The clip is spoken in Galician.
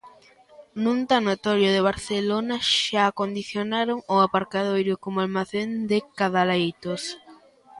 Nun tanatorio de Barcelona xa acondicionaron o aparcadoiro como almacén de cadaleitos.